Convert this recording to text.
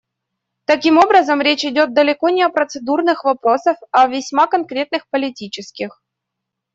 Таким образом, речь идет далеко не о процедурных вопросах, а о весьма конкретных политических.